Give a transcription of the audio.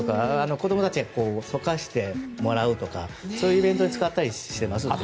子供たちが溶かして、もらうとかそういうイベントに使ったりして。